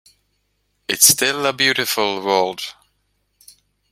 It is still a beautiful world.